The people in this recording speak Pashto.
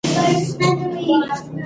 وضوح او کیفیت مهم عناصر دي.